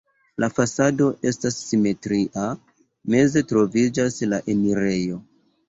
La fasado estas simetria, meze troviĝas la enirejo.